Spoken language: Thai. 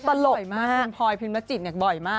บ่อยมากคุณพลอยคุณประจิตเนี่ยบ่อยมาก